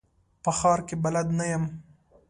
په ښار کي بلد نه یم .